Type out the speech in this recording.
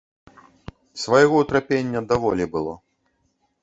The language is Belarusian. Свайго ўтрапення даволі было.